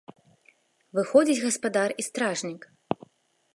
Выходзяць гаспадар і стражнік.